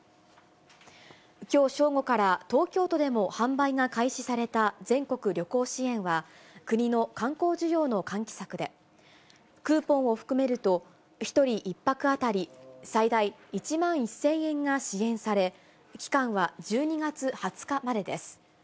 きょう正午から、東京都でも販売が開始された全国旅行支援は、国の観光需要の喚起策で、クーポンを含めると、１人１泊当たり最大１万１０００円が支援され、期間は１２月２０日までです。